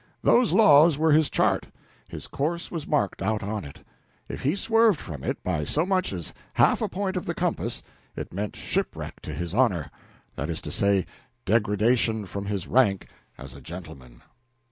Those laws were his chart; his course was marked out on it; if he swerved from it by so much as half a point of the compass it meant shipwreck to his honor; that is to say, degradation from his rank as a gentleman.